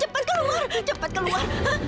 cepat keluar cepat keluar